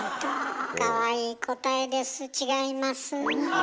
かわいい答えです違います。